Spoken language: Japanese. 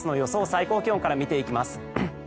最高気温から見ていきます。